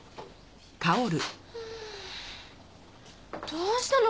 どうしたの？